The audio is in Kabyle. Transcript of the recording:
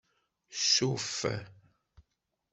Suff.